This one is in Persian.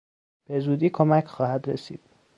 به زودی کمک خواهد رسید.